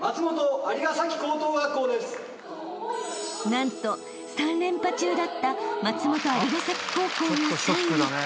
［何と３連覇中だった松本蟻ヶ崎高校が３位］